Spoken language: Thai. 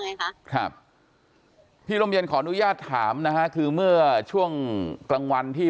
ไงคะครับพี่ลมเย็นขออนุญาตถามนะฮะคือเมื่อช่วงกลางวันที่